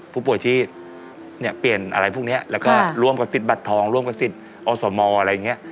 ผู้ป่วยที่เนี่ยเปลี่ยนอะไรพวกนี้แล้วก็ร่วมกันปิดบัตรทองร่วมกับสิทธิ์อสมอะไรอย่างนี้